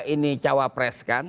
ini cawapres kan